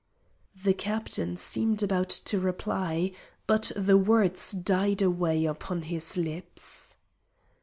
The Captain seemed about to reply, but the words died away upon his lips.